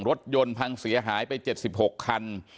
รถยนต์พังเสียหายไปเจ็ดสิบหกคัน